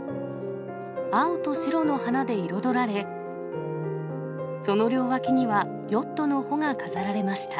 青と白の花で彩られ、その両脇にはヨットの帆が飾られました。